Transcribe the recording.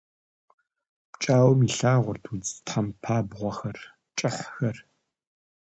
Пкӏауэм илъагъурт удз тхьэмпабгъуэхэр, кӏыхьхэр.